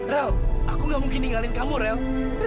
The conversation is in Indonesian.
rael aku gak mungkin tinggalin kamu rael